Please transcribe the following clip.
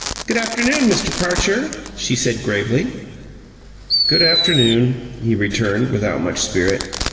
"G'd afternoon, Mister Parcher," she said, gravely. "Good afternoon," he returned, without much spirit.